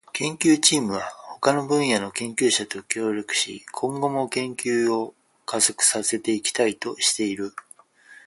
研究チームは他の分野の研究者と協力し、今後も研究を加速させていきたいとしている。